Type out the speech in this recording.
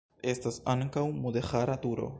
Estas ankaŭ mudeĥara turo.